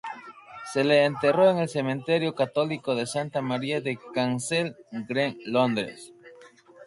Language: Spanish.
Se le enterró en el Cementerio católico de Santa María de Kensal Green, Londres.